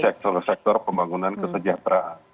sektor sektor pembangunan kesejahteraan